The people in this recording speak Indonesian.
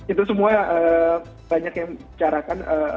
itu semua banyak yang bicarakan